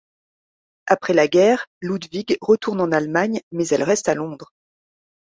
Après la guerre Ludwig retourne en Allemagne, mais elle reste à Londres.